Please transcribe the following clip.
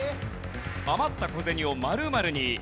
「あまった小銭を○○に！」